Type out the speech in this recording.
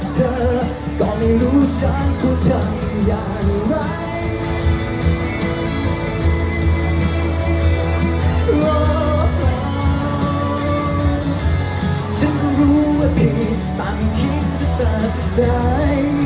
จริงรู้ว่าผิดตามไม่คิดจะตาย